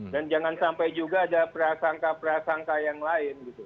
dan jangan sampai juga ada prasangka prasangka yang lain